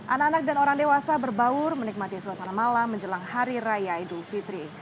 anak anak dan orang dewasa berbaur menikmati suasana malam menjelang hari raya idul fitri